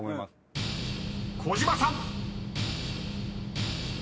［児嶋さん］